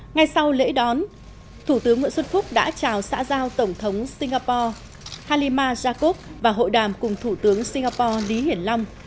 ngay sau lễ đón thủ tướng nguyễn xuân phúc đã chào xã giao tổng thống singapore halima jakov và hội đàm cùng thủ tướng singapore lý hiển long